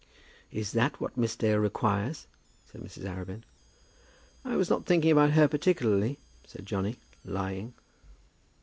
"Is that what Miss Dale requires?" said Mrs. Arabin. "I was not thinking about her particularly," said Johnny, lying.